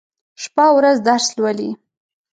شپه او ورځ درس لولي.